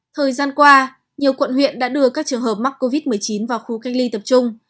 thời gian qua nhiều quận huyện đã đưa các trường hợp mắc covid một mươi chín vào khu cách ly tập trung